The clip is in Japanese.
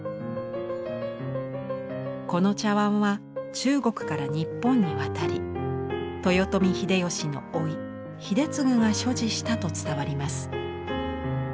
この茶わんは中国から日本に渡り豊臣秀吉のおい秀次が所持したと伝わります。